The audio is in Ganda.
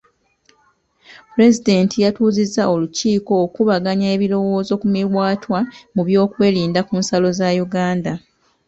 Pulezidenti yatuuzizza olukiiko okukubaganya ebirowoozo ku miwaatwa mu byokwerinda ku nsalo za Uganda.